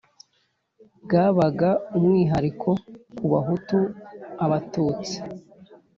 bwabaga umwihariko ku Bahutu Abatutsi